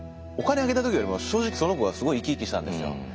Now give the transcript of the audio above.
お金あげた時よりも正直その子がすごい生き生きしたんですよ。